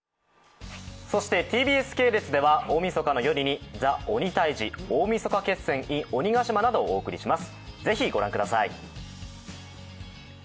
ＴＢＳ系列では大みそかの夜に「ＴＨＥ鬼タイジ大晦日決戦ｉｎ鬼ヶ島」などをお送りします。